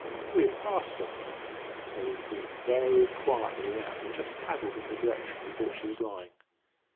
"We had passed her, so we pulled very quietly round and just paddled in the direction we thought she was lying.